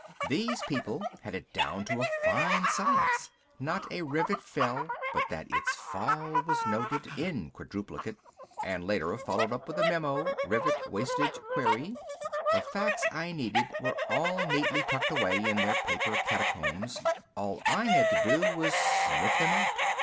These people had it down to a fine science. Not a rivet fell, but that its fall was noted in quintuplicate. And later followed up with a memo, rivet, wastage, query. The facts I needed were all neatly tucked away in their paper catacombs. All I had to do was sniff them out.